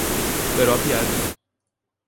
Europa e Ásia.